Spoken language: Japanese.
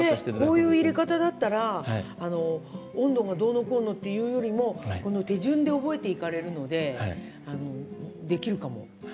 こういういれ方だったら温度がどうのこうのより手順で動いていけるのでできるかも。